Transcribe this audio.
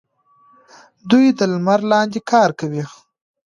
دوی د لمر لاندې کار کوي.